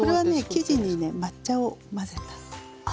生地にね抹茶を混ぜたの。